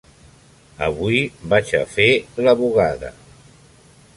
Avui vaig a fer la bugada.